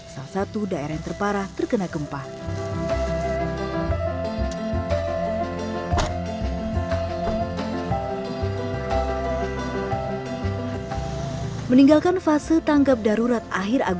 salah satu daerah yang terparah terkena gempa